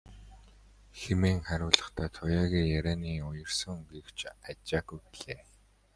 хэмээн хариулахдаа Туяагийн ярианы уярсан өнгийг ч ажаагүй билээ.